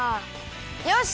よし！